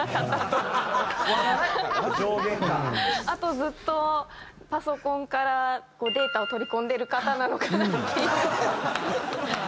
あとずっとパソコンからデータを取り込んでる方なのかなっていう。